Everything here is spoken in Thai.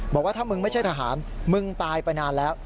บอกว่าถ้ามึงไม่ใช่ทหารมึงตายไปนานแล้ว